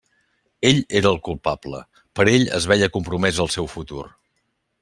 Ell era el culpable; per ell es veia compromès el seu futur.